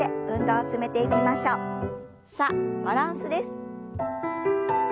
さあバランスです。